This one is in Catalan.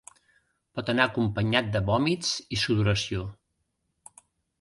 Pot anar acompanyat de vòmits i sudoració.